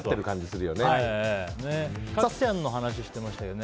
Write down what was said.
角ちゃんの話してましたよね。